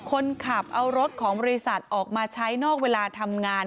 คนขับเอารถของบริษัทออกมาใช้นอกเวลาทำงาน